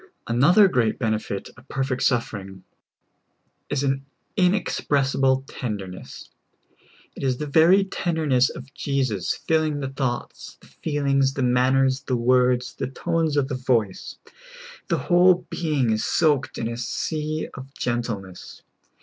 Another great benefit of perfect suffering, is a7i in expressible tenderness. It is the ver}^ tenderness of Jesus filling the thoughts, the feelings, the manners, the words, the tones of the voice. The whole being is soaked in a sea of gentleness.